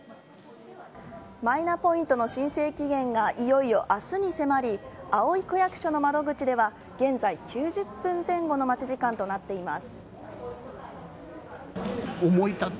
マイナポイントの申請期限がいよいよ明日に迫り葵区役所の窓口では現在９０分前後の待ち時間となっています。